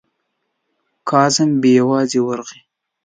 کازم بې یوازې ورغی.